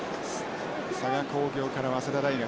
佐賀工業から早稲田大学。